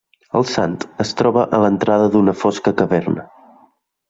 El sant es troba a l'entrada d'una fosca caverna.